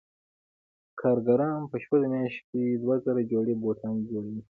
کارګران په شپږو میاشتو کې دوه زره جوړې بوټان تولیدوي